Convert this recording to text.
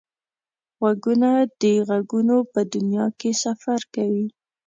غوږونه د غږونو په دنیا کې سفر کوي